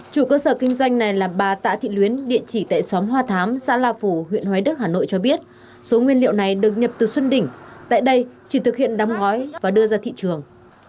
chủ cơ sở kinh doanh này là bà tạ thị luyến địa chỉ tại xóm hoa thám xã la phủ huyện hoài đức hà nội cho biết số nguyên liệu này được nhập từ xuân đỉnh tại đây chỉ thực hiện đóng gói và đưa ra thị trường